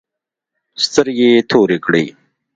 سترگې يې تورې کړې.